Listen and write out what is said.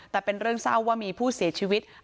แต่เป็นเรื่องเศร้าว่ามีผู้เสียชีวิต